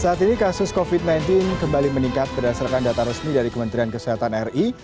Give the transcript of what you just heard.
saat ini kasus covid sembilan belas kembali meningkat berdasarkan data resmi dari kementerian kesehatan ri